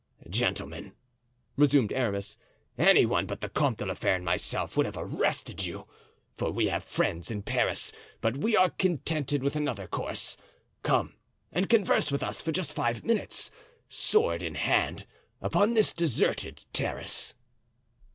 "Gentlemen," resumed Aramis, "any one but the Comte de la Fere and myself would have had you arrested—for we have friends in Paris—but we are contented with another course. Come and converse with us for just five minutes, sword in hand, upon this deserted terrace."